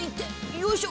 よいしょ！